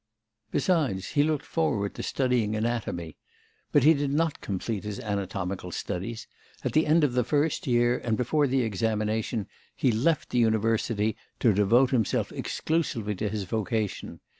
Besides, he looked forward to studying anatomy. But he did not complete his anatomical studies; at the end of the first year, and before the examination, he left the university to devote himself exclusively to his vocation.